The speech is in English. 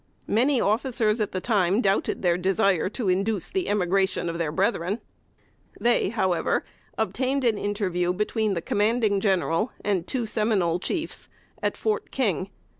Many officers at the time doubted their desire to induce the emigration of their brethren. They, however, obtained an interview between the Commanding General and two Seminole chiefs at Fort King.